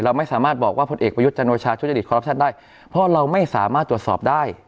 ไม่สามารถบอกว่าพลเอกประยุทธ์จันโอชาทุจริตคอรัปชั่นได้เพราะเราไม่สามารถตรวจสอบได้